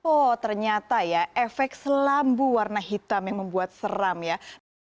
oh ternyata ya efek selambu warna hitam yang membuat seram ya